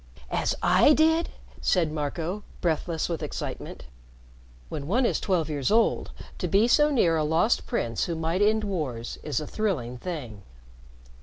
"As I did?" said Marco, breathless with excitement. When one is twelve years old, to be so near a Lost Prince who might end wars is a thrilling thing.